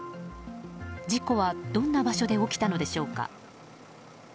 事故はどんな場所で起きたのでしょうか。